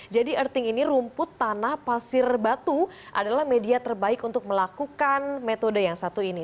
jadi earthing ini rumput tanah pasir batu adalah media terbaik untuk melakukan metode yang satu ini